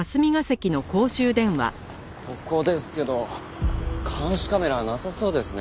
ここですけど監視カメラはなさそうですね。